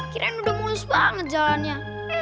kirain udah mulus banget jalannya